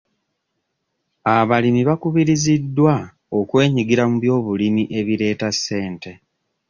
Abalimi bakubiriziddwa okwenyigira mu byobulimi ebireeta ssente.